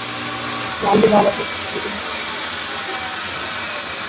Lalu Bangladesh television এবং বাংলাদেশ বেতারের শিল্পী ছিলেন।